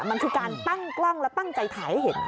มันคือการตั้งกล้องและตั้งใจถ่ายให้เห็น